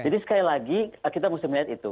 jadi sekali lagi kita mesti melihat itu